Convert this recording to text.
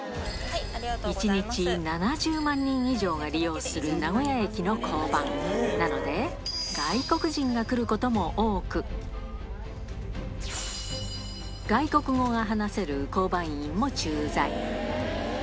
１日７０万人以上が利用する名古屋駅の交番、なので、外国人が来ることも多く、外国語が話せる交番員も駐在。